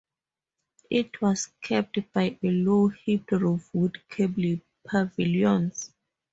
It was capped by a low hipped roof with gable pavilions.